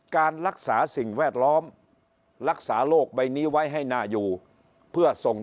การรักษาสิ่งแวดล้อมรักษาโรคใบนี้ไว้ให้น่าอยู่เพื่อส่ง